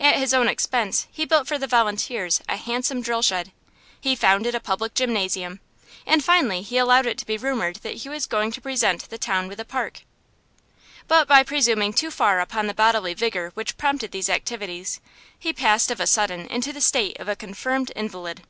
At his own expense he built for the Volunteers a handsome drill shed; he founded a public gymnasium; and finally he allowed it to be rumoured that he was going to present the town with a park. But by presuming too far upon the bodily vigour which prompted these activities, he passed of a sudden into the state of a confirmed invalid.